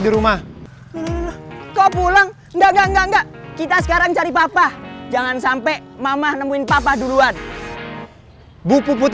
di rumah kau pulang enggak kita sekarang cari papa jangan sampai mama nemuin papa duluan buku putu